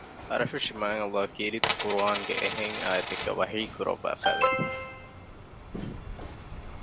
އަރަހުށިމާތްﷲ ކީރިތި ޤުރްއާނުގެ އެހެން އާޔަތެއްގައި ވަޙީކުރައްވައިފައިވެ